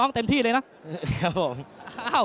เขาเนี่ย๕๑๒๑ใช้คำปั้น